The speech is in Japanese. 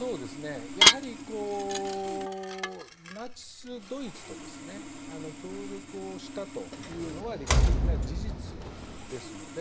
やはりナチスドイツと協力をしたというのは歴史的な事実ですので。